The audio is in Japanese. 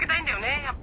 やっぱり。